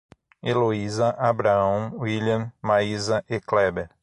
Eloiza, Abraão, Wílian, Maísa e Kléber